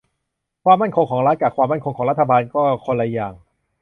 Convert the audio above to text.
ความมั่นคงของรัฐ กะ ความมั่นคงของรัฐบาล ก็คนละอย่าง